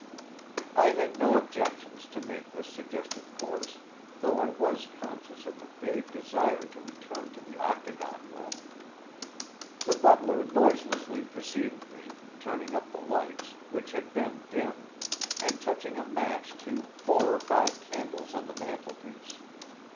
I had no objections to make to this suggested course, though I was conscious of a vague desire to return to the octagon room. The butler noiselessly preceded me, turning up the lights, which had been dim, and touching a match to four or five candles on the mantelpiece.